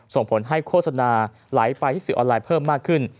ส่งผลให้โฆษณาไหลไปที่สื่อออนไลน์เพิ่มมากขึ้น